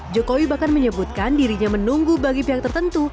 jokowi bahkan menyebutkan dirinya menunggu bagi pihak tertentu